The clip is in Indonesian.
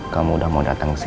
kamu udah mau datang kesini